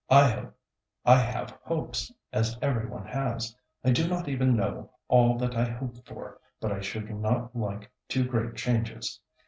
I hope, I have hopes, as every one has. I do not even know all that I hope for, but I should not like too great changes.